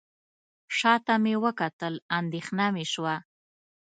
شاته مې وکتل اندېښنه مې شوه.